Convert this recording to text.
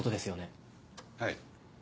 はい。